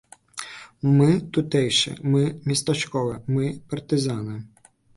Мы тутэйшыя, мы местачковыя, мы партызаны.